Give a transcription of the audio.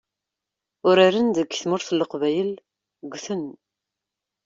Uraren deg tmurt n leqbayel ggten.